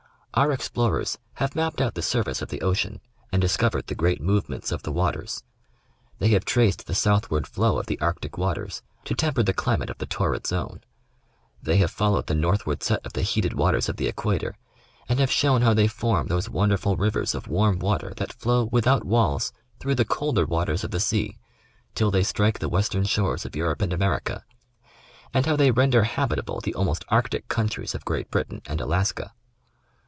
Our explorers have mapped out the surface of the ocean and discovered the great movements of the waters. They have traced the southward flow of the Arctic waters to temper the climate of the torrid zone. They have followed the northward set of the heated waters of the equator and have shown how they form those wonderful rivers of warm water that flow, without walls, through the colder waters of the sea, till they strike the western shores of Europe and America, and how they render habitable the almost Arctic countries of Great Britian and Alaska.